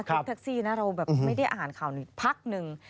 ขึ้นแท็กซี่นะเราแบบไม่ได้อ่านข่าวนี้พักหนึ่ง